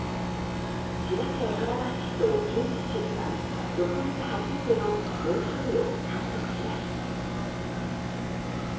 千葉県船橋市と君津市では６月初めての猛暑日を観測しました。